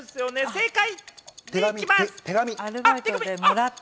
正解！